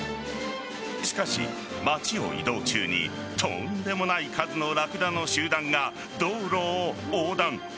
しかし、街を移動中にとんでもない数のラクダの集団が道路を横断。